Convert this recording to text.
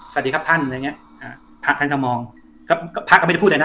สวัสดีครับท่านอะไรอย่างเงี้ยอ่าพระท่านก็มองก็พระก็ไม่ได้พูดอะไรนะ